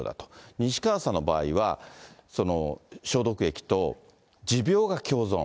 西川さんの場合は、消毒液と持病が共存。